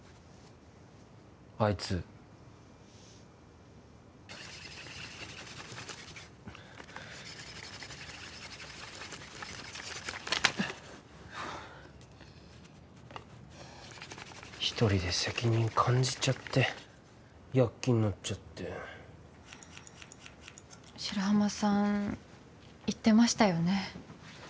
あいつひとりで責任感じちゃって躍起になっちゃって白浜さん言ってましたよね